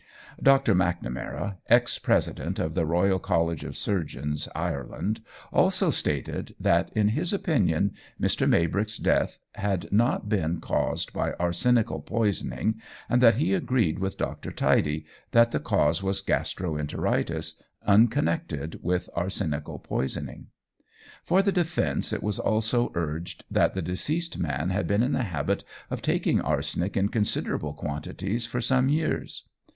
Dr. MacNamara, ex president of the Royal College of Surgeons, Ireland, also stated, that in his opinion Mr. Maybrick's death had not been caused by arsenical poisoning and that he agreed with Dr. Tidy that the cause was gastro enteritis, unconnected with arsenical poisoning. For the defence it was also urged that the deceased man had been in the habit of taking arsenic in considerable quantities for some years.